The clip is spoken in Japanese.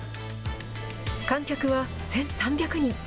観客は１３００人。